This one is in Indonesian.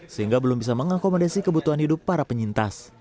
sehingga belum bisa mengakomodasi kebutuhan hidup para penyintas